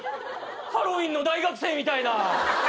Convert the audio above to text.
ハロウィーンの大学生みたいな。